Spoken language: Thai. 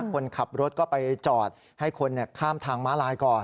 คนขับรถก็ไปจอดให้คนข้ามทางม้าลายก่อน